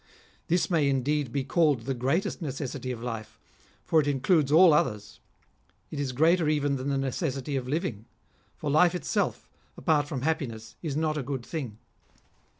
This may indeed be called the greatest necessity of life, for it includes all others. It is greater even than the necessity of living ; for life itself, apart from happiness, is not a good thing.